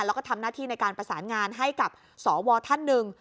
แล้วก็ทำหน้าที่ในการประสานงานให้กับสวท่านหนึ่ง